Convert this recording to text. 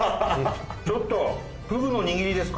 ちょっとフグの握りですか？